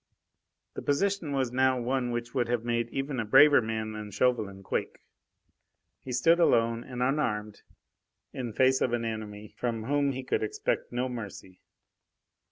The position now was one which would have made even a braver man than Chauvelin quake. He stood alone and unarmed in face of an enemy from whom he could expect no mercy.